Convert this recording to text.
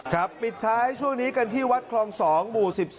ปิดท้ายช่วงนี้กันที่วัดคลอง๒หมู่๑๒